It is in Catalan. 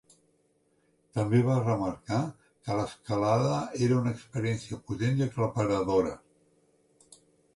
També va remarcar que l'escalada era una experiència potent i aclaparadora.